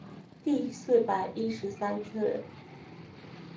第四百一十三次